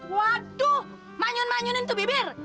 waduh manyun manyunin tuh bibir